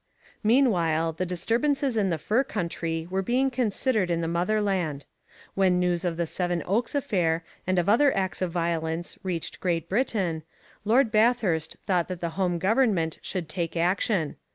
Meanwhile, the disturbances in the fur country were being considered in the motherland. When news of the Seven Oaks affair and of other acts of violence reached Great Britain, Lord Bathurst thought that the home government should take action.